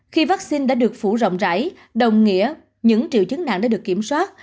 khi vaccine đã được phủ rộng rãi đồng nghĩa những triệu chứng nặng đã được kiểm soát